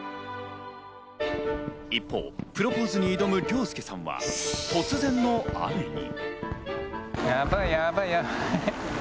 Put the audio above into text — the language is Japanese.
一方、プロポーズに挑む諒介さんは突然の雨に。